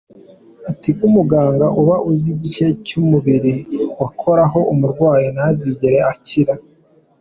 Ati “Nk’umuganga uba uzi igice cy’umubiri wakoraho umurwayi ntazigere akira.